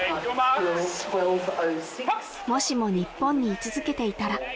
もしも日本に居続けていたら？